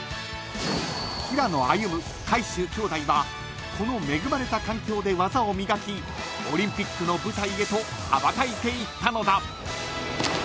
［平野歩夢海祝兄弟はこの恵まれた環境で技を磨きオリンピックの舞台へと羽ばたいていったのだ］